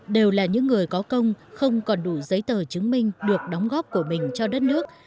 đều là những người có công không còn đủ giấy tờ chứng minh được đóng góp của mình cho đất nước